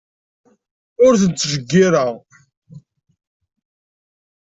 Ur ten-ttjeyyireɣ.